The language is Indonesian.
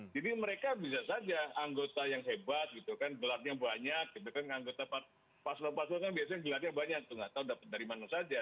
jadi mereka bisa saja anggota yang hebat gitu kan gelarnya banyak gitu kan anggota paslon paslon kan biasanya gelarnya banyak tuh nggak tahu dapat dari mana saja